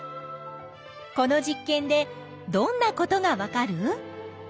この実験でどんなことがわかる？